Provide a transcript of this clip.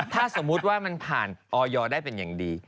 ถ้าสมมุติว่ามันผ่านออยได้เป็นอย่างดี